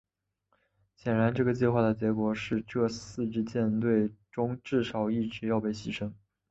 显然这个计划的结果是这四支舰队中至少一支要被牺牲。